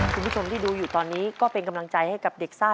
คุณผู้ชมที่ดูอยู่ตอนนี้ก็เป็นกำลังใจให้กับเด็กซ่า